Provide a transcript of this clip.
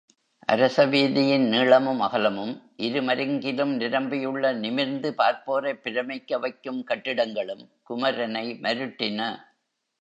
அரசவீதியின் நீளமும் அகலமும் இரு மருங்கிலும் நிரம்பியுள்ள நிமிர்ந்து பார்ப்போரைப் பிரமிக்க வைக்கும் கட்டிடங்களும் குமரனை மருட்டின.